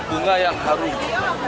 bunga yang harum